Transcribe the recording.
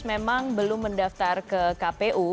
memang belum mendaftar ke kpu